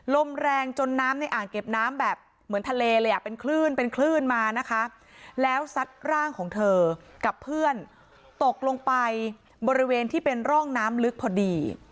ลมแรงจนน้ำในอ่างเก็บน้ำแบบเหมือนทะเลเลยอ่ะเป็นคลื่นเป็นคลื่นมานะคะแล้วซัดร่างของเธอกับเพื่อนตกลงไปบริเวณที่เป็นร่องน้ำลึกพอดี